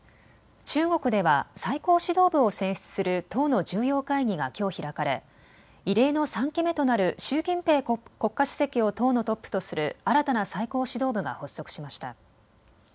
中国では最高指導部を選出する党の重要会議がきょう開かれ異例の３期目となる習近平国家主席を党のトップとする新たな最高指導部が発足しました。